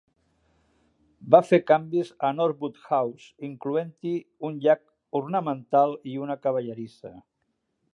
Va fer canvis a Norwood House, incloent-hi un llac ornamental i una cavallerissa.